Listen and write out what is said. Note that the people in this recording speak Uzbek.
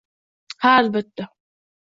— Ha, albatta.